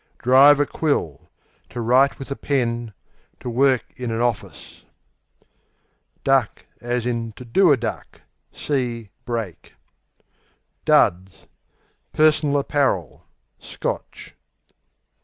Drive a quill To write with a pen; to work in an office. Duck, to do a See "break." Duds Personal apparel (Scotch).